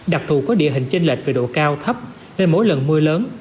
đặc thù có địa hình chênh lệch về độ cao thấp nên mỗi lần mưa lớn